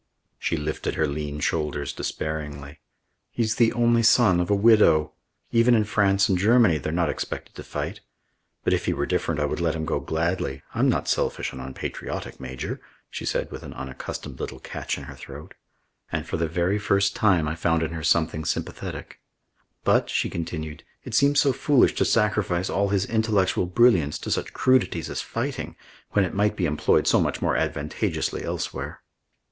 She lifted her lean shoulders despairingly. "He's the only son of a widow. Even in France and Germany they're not expected to fight. But if he were different I would let him go gladly I'm not selfish and unpatriotic, Major," she said with an unaccustomed little catch in her throat and for the very first time I found in her something sympathetic "but," she continued, "it seems so foolish to sacrifice all his intellectual brilliance to such crudities as fighting, when it might be employed so much more advantageously elsewhere."